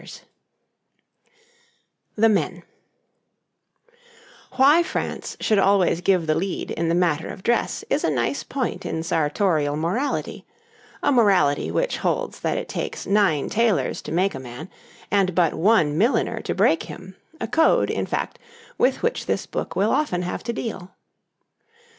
a shoe}] Why France should always give the lead in the matter of dress is a nice point in sartorial morality a morality which holds that it takes nine tailors to make a man and but one milliner to break him, a code, in fact, with which this book will often have to deal.